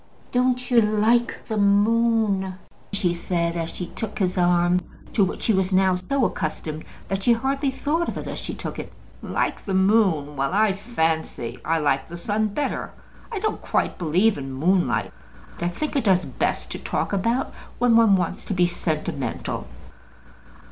"Don't you like the moon?" she said, as she took his arm, to which she was now so accustomed that she hardly thought of it as she took it. "Like the moon? well; I fancy I like the sun better. I don't quite believe in moonlight. I think it does best to talk about when one wants to be sentimental."